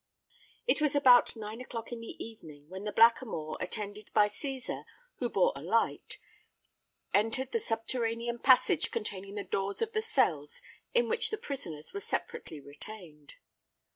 It was about nine o'clock in the evening, when the Blackamoor, attended by Cæsar, who bore a light, entered the subterranean passage containing the doors of the cells in which the prisoners were separately retained.